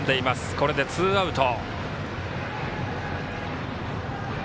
これでツーアウト。